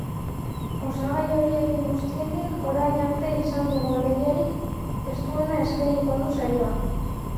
Osagai horiekin guztiekin, orain arte izan dugun lehiarik estuena eskainiko du saioak.